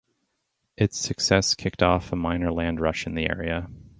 Its success kicked off a minor land rush in the area.